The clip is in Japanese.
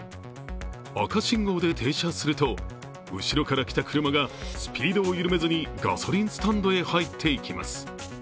赤信号で停車すると、後ろから来た車がスピードを緩めずにガソリンスタンドへ入っていきます。